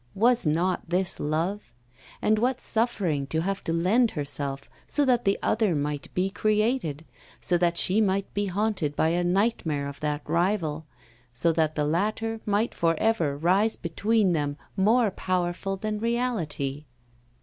Was not this love? And what suffering to have to lend herself so that the other might be created, so that she might be haunted by a nightmare of that rival, so that the latter might for ever rise between them, more powerful than reality!